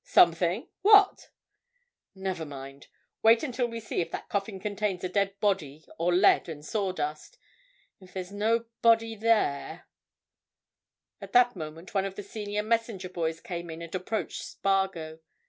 Something? What?" "Never mind—wait until we see if that coffin contains a dead body or lead and sawdust. If there's no body there——" At that moment one of the senior messenger boys came in and approached Spargo.